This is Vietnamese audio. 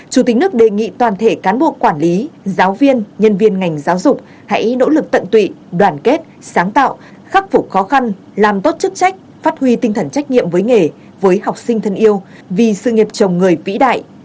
chủ tịch nước đề nghị toàn thể cán bộ quản lý giáo viên nhân viên ngành giáo dục hãy nỗ lực tận tụy đoàn kết sáng tạo khắc phục khó khăn làm tốt chức trách phát huy tinh thần trách nhiệm với nghề với học sinh thân yêu vì sự nghiệp chồng người vĩ đại